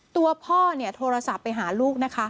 ตัวพ่อโทรศัพท์ไปหาลูกนะคะ